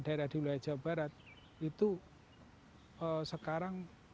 daerah di wilayah jawa barat itu hai oh sekarang